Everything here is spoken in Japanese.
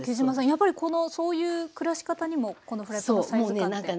やっぱりそういう暮らし方にもこのフライパンのサイズ感って。